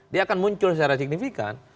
dia akan muncul secara signifikan